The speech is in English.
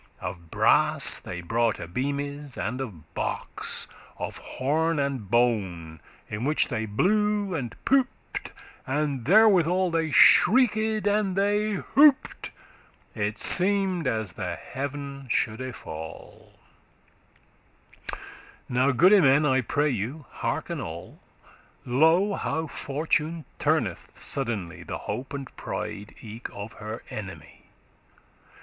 Of brass they broughte beames* and of box, *trumpets <36> Of horn and bone, in which they blew and pooped,* tooted And therewithal they shrieked and they hooped; It seemed as the heaven shoulde fall Now, goode men, I pray you hearken all; Lo, how Fortune turneth suddenly The hope and pride eke of her enemy.